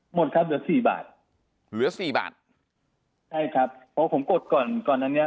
หมดครับเหลือสี่บาทเหลือสี่บาทใช่ครับเพราะผมกดก่อนก่อนนั้นเนี้ย